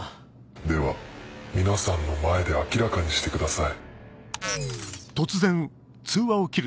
では皆さんの前で明らかにしてください。